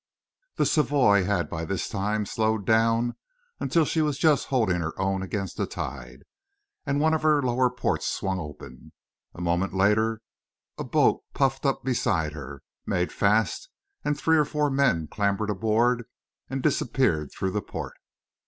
The Savoie had by this time slowed down until she was just holding her own against the tide, and one of her lower ports swung open. A moment later, a boat puffed up beside her, made fast, and three or four men clambered aboard and disappeared through the port.